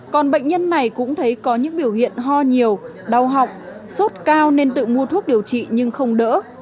còn bệnh nhân này cũng thấy có những biểu hiện ho nhiều đau họng sốt cao nên tự mua thuốc điều trị nhưng không đỡ